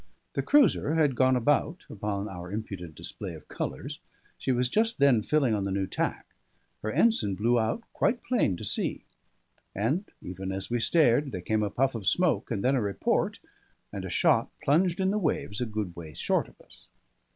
The cruiser had gone about, upon our impudent display of colours; she was just then filling on the new tack; her ensign blew out quite plain to see; and even as we stared, there came a puff of smoke, and then a report, and a shot plunged in the waves a good way short of us.